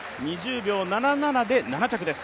２０秒７７で７着です